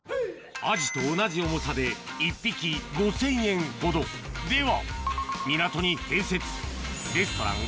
アジと同じ重さで１匹５０００円ほどでは港に併設レストラン